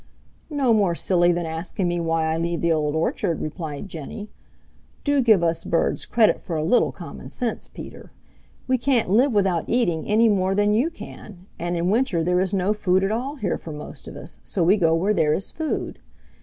"No more silly than asking me why I leave the Old Orchard," replied Jenny. "Do give us birds credit for a little common sense, Peter. We can't live without eating any more than you can, and in winter there is no food at all here for most of us, so we go where there is food.